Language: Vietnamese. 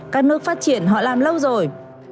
các nước phát triển họ làm lâu rồi